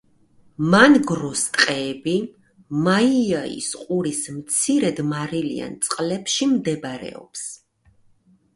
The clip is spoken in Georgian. მანგროს ტყეები მაი იაის ყურის მცირედ მარილიან წყლებში მდებარეობს.